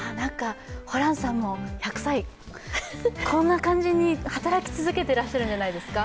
ホランさんも１００歳、こんな感じに働き続けてらっしゃるんじゃないですか？